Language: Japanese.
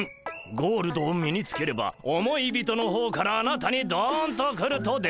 ゴールドを身につければ思い人の方からあなたにどんと来ると出ています。